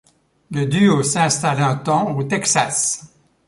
Le duo s'installe un temps au Texas.